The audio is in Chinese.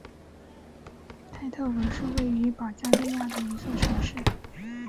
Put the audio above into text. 泰特文是位于保加利亚的一座城市。